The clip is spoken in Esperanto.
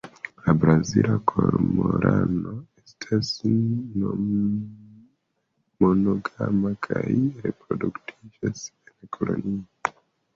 La Brazila kormorano estas monogama kaj reproduktiĝas en kolonioj.